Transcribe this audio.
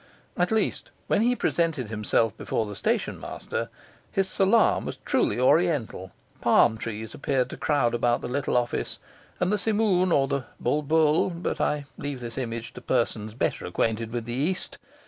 At least, when he presented himself before the station master, his salaam was truly Oriental, palm trees appeared to crowd about the little office, and the simoom or the bulbul but I leave this image to persons better acquainted with the East.